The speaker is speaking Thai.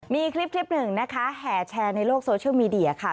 มีคลิปหนึ่งนะคะแห่แชร์ในโลกโซเชียลมีเดียค่ะ